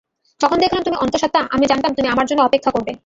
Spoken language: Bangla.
যখন দেখলাম তুমি অন্তঃসত্ত্বা, আমি জানতাম তুমি আমার জন্য অপেক্ষা করবে।